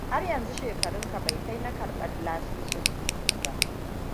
Har yanzu shekarunka bai kai na karɓar lasisin tuƙi ba.